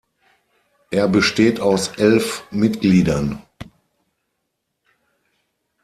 Er besteht aus elf Mitgliedern.